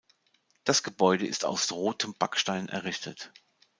Das Gebäude ist aus rotem Backstein errichtet.